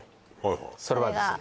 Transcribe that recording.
それはですね